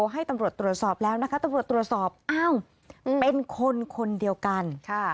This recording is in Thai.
ให้ตำรวจตรวจสอบแล้วนะคะตำรวจตรวจสอบอ้าวเป็นคนคนเดียวกัน